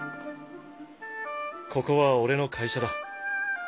ここは俺の会社だ。